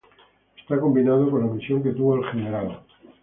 Esto, combinado con la misión que tuvo el Gral.